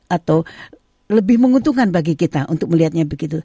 atau lebih menguntungkan bagi kita untuk melihatnya begitu